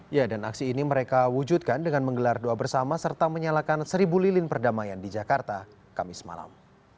ya dan aksi ini mereka wujudkan dengan menggelar doa bersama serta menyalakan seribu lilin perdamaian di jakarta kamis malam